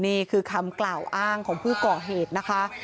นี่คือคำกล่าวอ้างของผู้ก่อเหตุนะคะ